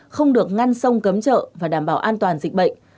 không được ngăn sông cấm chợ và đảm bảo an toàn dịch bệnh